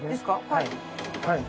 はい。